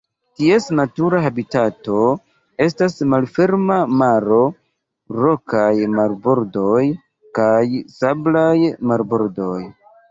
Ties natura habitato estas malferma maro, rokaj marbordoj, kaj sablaj marbordoj.